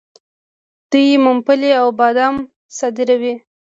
دوی ممپلی او بادام صادروي.